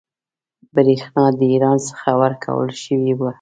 برېښنا د ایران څخه ورکول شوې وه.